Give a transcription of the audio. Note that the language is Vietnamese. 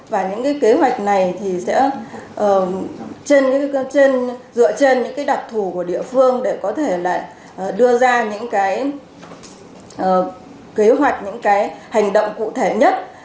và những kế hoạch này thì sẽ dựa trên những đặc thủ của địa phương để có thể đưa ra những kế hoạch những hành động cụ thể nhất